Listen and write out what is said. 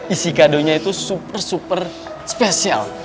isi kadonya itu super super spesial